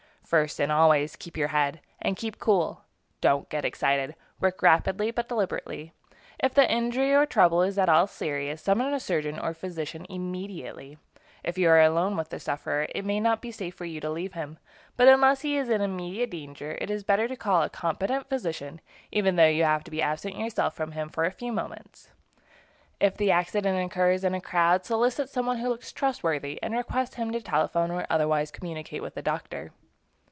First and always, keep your head, and keep cool. Don't get excited. Work rapidly, but deliberately. If the injury or trouble is at all serious, summon a surgeon or physician immediately. If you are alone with the sufferer, it may not be safe for you to leave him, but unless he is in immediate danger, it is better to call a competent physician, even though you have to absent yourself from him for a few moments. If the accident occurs in a crowd, solicit some one who looks trustworthy, and request him to telephone or otherwise communicate with a doctor.